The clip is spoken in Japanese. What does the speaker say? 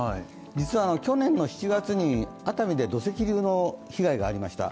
実は去年７月に熱海で土石流の被害がありました。